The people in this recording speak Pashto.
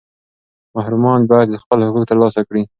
محرومان باید خپل حقوق ترلاسه کړي.